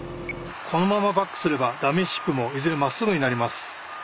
そのままバックすればダミーシップもいずれまっすぐになります。